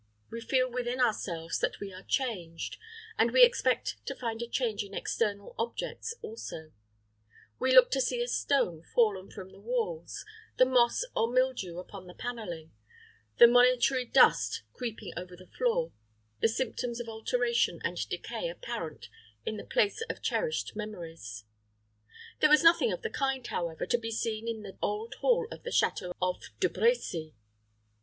We feel within ourselves that we are changed, and we expect to find a change in external objects also we look to see a stone fallen from the walls, the moss or mildew upon the paneling, the monitory dust creeping over the floor, the symptoms of alteration and decay apparent in the place of cherished memories. There was nothing of the kind, however, to be seen in the old hall of the château of De Brecy.